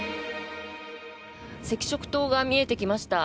赤色灯が見えてきました。